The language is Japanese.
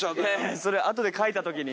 それあとでかいた時に。